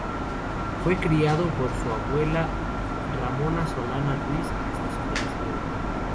Fue criado por su abuela Ramona Solana Ruiz hasta su fallecimiento.